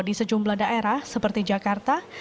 di sejumlah daerah seperti jakarta